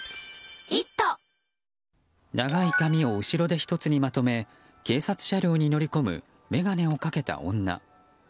長い髪を後ろで１つにまとめ警察車両に乗り込む眼鏡をかけた女。